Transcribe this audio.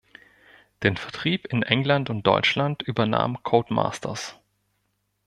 Den Vertrieb in England und Deutschland übernahm Codemasters.